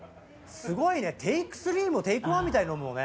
すごいねテイク３もテイク１みたいに飲むもんね。